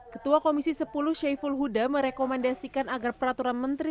ketua komisi sepuluh syaiful huda merekomendasikan agar peraturan menteri